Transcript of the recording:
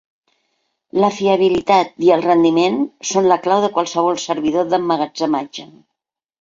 La fiabilitat i el rendiment són la clau de qualsevol servidor d'emmagatzematge.